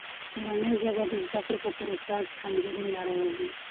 مورنۍ ژبه د زده کړو په پروسه کې کمزوري نه راولي.